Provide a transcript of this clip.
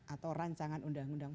atau rancangan undang undang